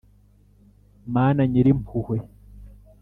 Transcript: mana nyirimpuhwe